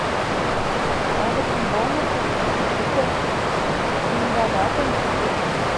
Калык ӱмбалне шокта: шуко еҥгаватым куча.